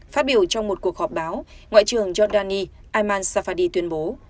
phát biểu trong một cuộc họp báo ngoại trưởng giordani ayman safadi tuyên bố